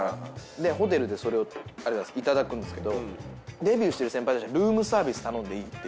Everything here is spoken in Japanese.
でホテルでそれを頂くんですけどデビューしてる先輩たちはルームサービス頼んでいいっていう。